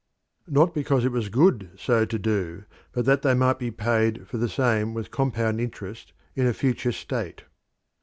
Not because it was good so to do, but that they might be paid for the same with compound interest in a future state.